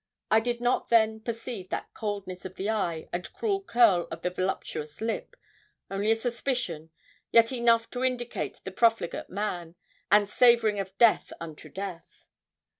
I did not then perceive that coldness of the eye, and cruel curl of the voluptuous lip only a suspicion, yet enough to indicate the profligate man, and savouring of death unto death.